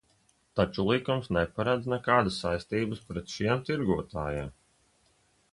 Taču likums neparedz nekādas saistības pret šiem tirgotājiem.